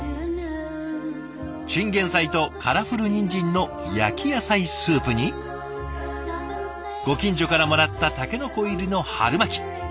チンゲンサイとカラフルニンジンの焼き野菜スープにご近所からもらったタケノコ入りの春巻き。